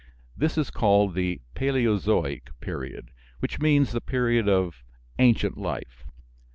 This is called the "Paleozoic" period, which means the period of "ancient life."